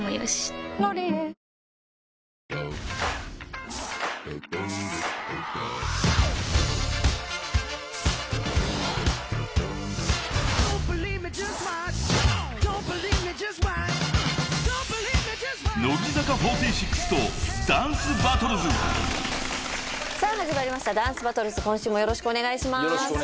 よろしくお願いします。